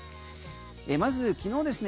まず昨日ですね